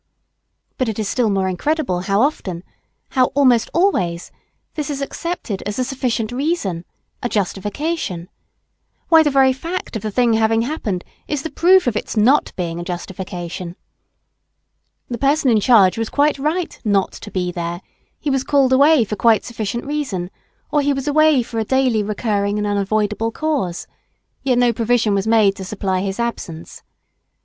But it is still more incredible how often, how almost always this is accepted as a sufficient reason, a justification; why, the very fact of the thing having happened is the proof of its not being a justification. The person in charge was quite right not to be "there," he was called away for quite sufficient reason, or he was away for a daily recurring and unavoidable cause; yet no provision was made to supply his absence.